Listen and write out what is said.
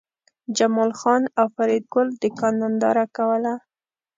جمال خان او فریدګل د کان ننداره کوله